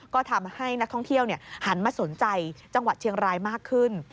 ก็ทำให้นักท่องเที่ยวหันมาสนใจจังหวัดเชียงรายมากขึ้น